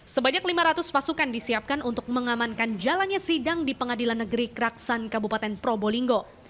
sebanyak lima ratus pasukan disiapkan untuk mengamankan jalannya sidang di pengadilan negeri keraksan kabupaten probolinggo